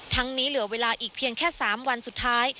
นี้เหลือเวลาอีกเพียงแค่๓วันสุดท้าย